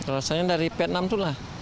rasanya dari vietnam itulah